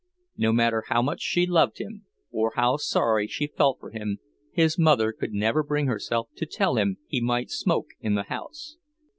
No matter how much she loved him, or how sorry she felt for him, his mother could never bring herself to tell him he might smoke in the house.